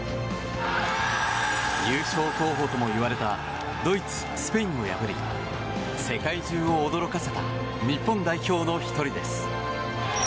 優勝候補ともいわれたドイツ、スペインを破り世界中を驚かせた日本代表の１人です。